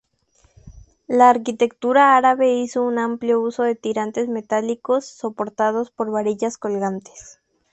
La arquitectura árabe hizo un amplio uso de tirantes metálicos soportados por varillas colgantes.